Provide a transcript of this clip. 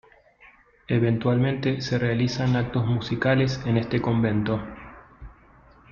Eventualmente se realizan actos musicales en este convento.